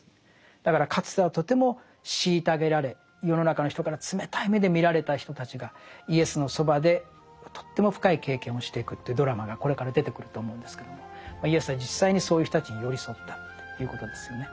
だからかつてはとても虐げられ世の中の人から冷たい目で見られた人たちがイエスのそばでとっても深い経験をしていくというドラマがこれから出てくると思うんですけどもイエスは実際にそういう人たちに寄り添ったということですよね。